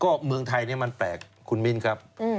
ก็เมืองไทยนี่มันแปลกคุณมิ้นครับ